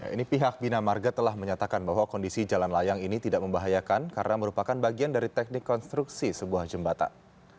ini pihak bina marga telah menyatakan bahwa kondisi jalan layang ini tidak membahayakan karena merupakan bagian dari teknik konstruksi sebuah jembatan